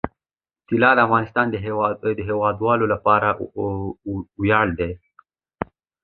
طلا د افغانستان د هیوادوالو لپاره ویاړ دی.